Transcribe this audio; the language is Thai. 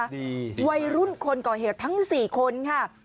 ดีดีดีดีดีวัยรุ่นคนก่อเหตุทั้ง๔คนค่ะ